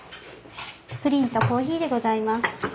プリンとコーヒーでございます。